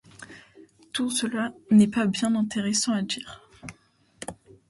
Tout cela n’est pas bien intéressant à dire.